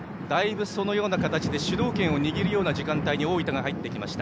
そのような形で主導権を握る時間帯に大分が入ってきました。